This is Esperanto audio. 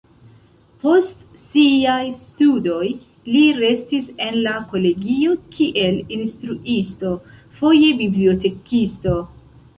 Post siaj studoj li restis en la kolegio kiel instruisto, foje bibliotekisto.